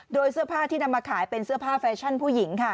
โดยเสื้อผ้าที่นำมาขายเป็นเสื้อผ้าแฟชั่นผู้หญิงค่ะ